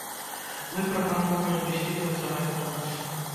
Мы прапаноўваем ісці працаваць да нас.